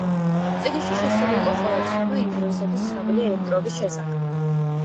წიგნში შესული იყო ყველა ცნობა იმდროისათვის ცნობილი ელექტროობის შესახებ.